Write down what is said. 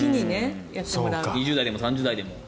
２０代でも３０代でも。